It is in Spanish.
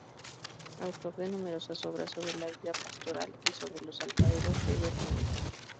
Autor de numerosas obras sobre la vida pastoral y sobre los alfareros de Verneuil.